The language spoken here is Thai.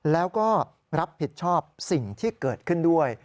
แล้วก็รับผิดชอบสิ่งที่เกิดขึ้นด้วย